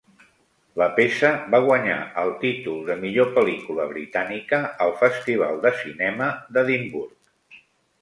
La peça va guanyar el títol de millor pel·lícula britànica al Festival de Cinema d'Edimburg.